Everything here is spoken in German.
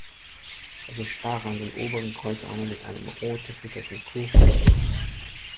Es ist starr an den oberen Kreuzarmen mit einem rot gefütterten Kurhut verbunden.